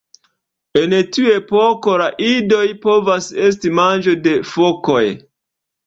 En tiu epoko la idoj povas esti manĝo de fokoj.